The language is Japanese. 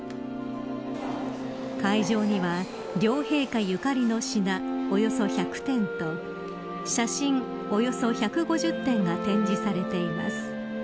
会場には、両陛下ゆかりの品およそ１００点と写真およそ１５０点が展示されています。